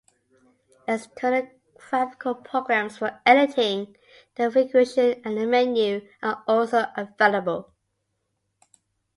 External graphical programs for editing the configuration and the menu are also available.